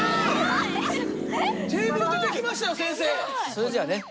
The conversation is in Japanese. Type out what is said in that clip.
それじゃあね